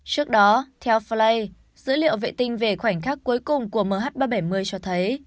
trước đó theo fly dữ liệu vệ tinh về khoảnh khắc cuối cùng của mh ba trăm bảy mươi cho thấy